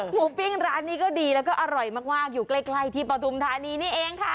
ปิ้งร้านนี้ก็ดีแล้วก็อร่อยมากอยู่ใกล้ที่ปฐุมธานีนี่เองค่ะ